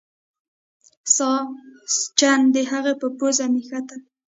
ساسچن د هغې په پوزه نښتل.